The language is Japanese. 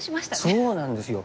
そうなんですよ。